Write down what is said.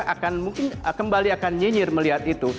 akan mungkin kembali akan nyinyir melihat itu